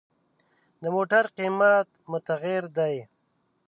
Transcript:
د موټر قیمت متغیر دی.